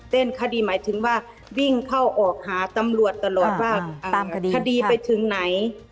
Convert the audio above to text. คดีหมายถึงว่าวิ่งเข้าออกหาตำรวจตลอดว่าคดีไปถึงไหน